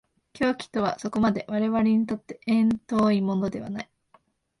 狂気とはそこまで我々にとって縁遠いものではない。